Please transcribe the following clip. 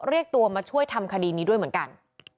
เรียกตัวมาช่วยทำคดีนี้ด้วยเหมือนกัน